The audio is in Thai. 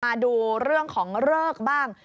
มาดูเรื่องของเลิกบ้าง